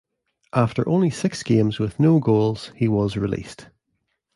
After only six games with no goals he was released.